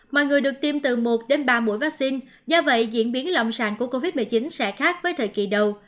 mọi người được tiêm từ một đến ba mũi vaccine do vậy diễn biến lâm sàng của covid một mươi chín sẽ khác với thời kỳ đầu